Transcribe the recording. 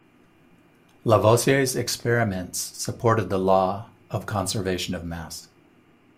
Lavoisier's experiments supported the law of conservation of mass.